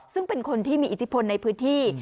ซึ่งเป็นคนที่มีอิทธิพลในพื้นที่